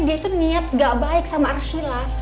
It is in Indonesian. dia itu niat gak baik sama arshila